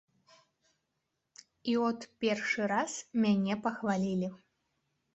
І от першы раз мяне пахвалілі.